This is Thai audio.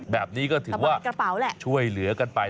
แบบนี้ก็ถือว่าช่วยเหลือกันไป